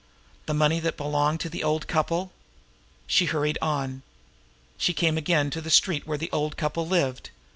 The money that belonged to the old couple. She hurried on. She came again to the street where the old couple lived.